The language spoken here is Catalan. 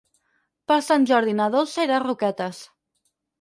Per Sant Jordi na Dolça irà a Roquetes.